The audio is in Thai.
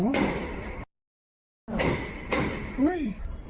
อุ้ย